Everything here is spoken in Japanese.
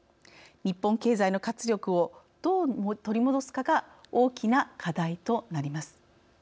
日本経済の活力をどう取り戻すかが大きな課題となります。